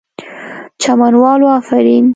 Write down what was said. چمن والو آفرین!!